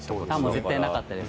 もう絶対なかったです